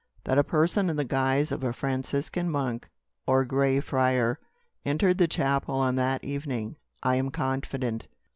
That a person in the guise of a Franciscan monk, or gray friar, entered the chapel on that evening I am confident.